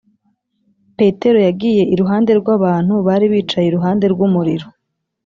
petero yagiye iruhande rw’abantu bari bicaye iruhande rw’umuriro,